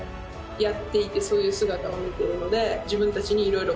やっていてそういう姿を見てるので。